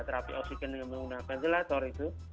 terapi oksigen dengan menggunakan ventilator itu